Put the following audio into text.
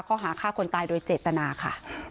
ข้อหาฆ่าคนตายโดยเจตนาค่ะ